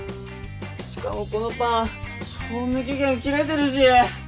しかもこのパン賞味期限切れてるし！